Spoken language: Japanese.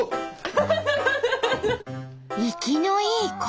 生きのいい鯉。